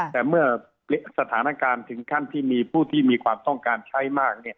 แต่เมื่อสถานการณ์ถึงขั้นที่มีผู้ที่มีความต้องการใช้มาก